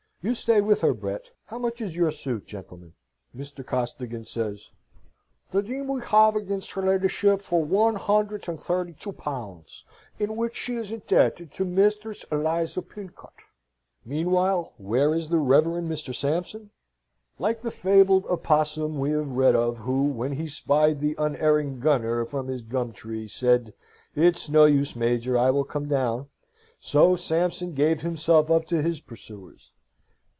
"You stay with her, Brett. How much is your suit gentlemen?" Mr. Costigan says, "The deem we have against her leedyship for one hundred and thirty two pounds, in which she is indebted to Misthress Eliza Pincott" Meanwhile, where is the Reverend Mr. Sampson? Like the fabled opossum we have read of, who, when he spied the unerring gunner from his gum tree, said: "It's no use Major, I will come down," so Sampson gave himself up to his pursuers.